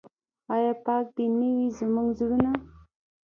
آیا پاک دې نه وي زموږ زړونه؟